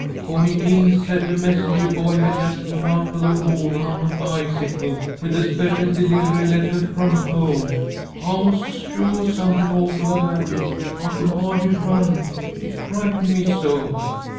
Cornie Dean said a messenger boy had just come out to the Hall on a bicycle with a special delivery lettah from home. I was so suah something awful had happened I could hardly run, it frightened me so."